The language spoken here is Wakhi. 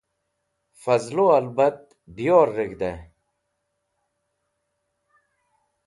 fazlu albat dyor reg̃hd'ey